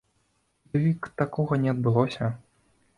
Дык такога не адбылося.